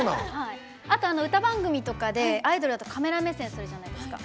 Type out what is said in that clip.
あと歌番組とかでアイドルだとカメラ目線するじゃないですか。